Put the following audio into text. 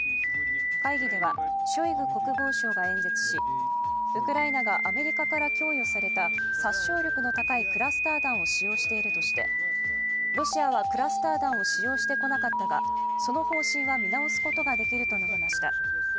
会議ではショイグ国防相が演説しウクライナがアメリカから供与された殺傷力の高いクラスター弾を使用しているとして、ロシアはクラスター弾を使用してこなかったがその方針は見直すことができると述べました。